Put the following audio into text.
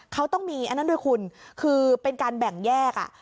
เขาต้องมีอันนั้นด้วยคุณคือเป็นการแบ่งแยก